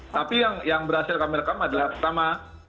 tapi yang berhasil kami rekam adalah pertama